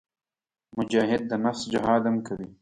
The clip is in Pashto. مجاهد د نفس جهاد هم کوي.